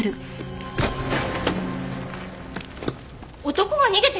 男が逃げてきた！？